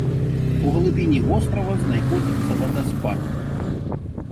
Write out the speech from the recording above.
У глыбіні вострава знаходзіцца вадаспад.